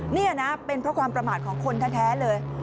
นี่นะเป็นเพราะความประมาทของคนแท้เลย